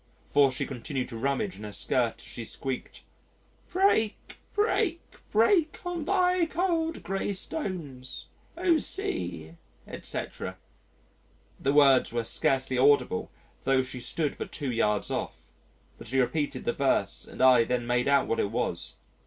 For she continued to rummage in her skirt as she squeaked, "Break, break, break, on thy cold gray stones, O sea," etc. The words were scarcely audible tho' she stood but two yards off. But she repeated the verse and I then made out what it was.